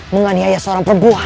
menganiaya seorang perempuan